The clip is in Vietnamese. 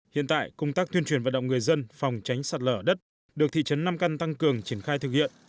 hiện tại công tác tuyên truyền vận động người dân phòng tránh sạt lở đất được thị trấn nam căn tăng cường triển khai thực hiện